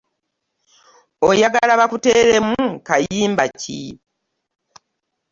Oyagala bakuteeremu kayimba ki?